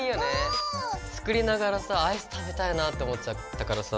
作りながらさぁアイス食べたいなって思っちゃったからさ。